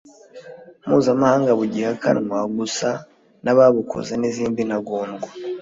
mpuzamahanga bugihakanwa gusa n'ababukoze n'izindi ntagondwa